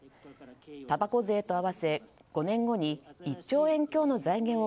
たばこ税と合わせ５年後に１兆円強の財源を